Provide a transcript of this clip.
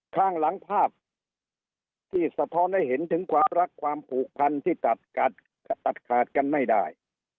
ข้างหลังภาพที่สะท้อนให้เห็นถึงความรักความผูกพันที่ตัดขาดกันไม่ได้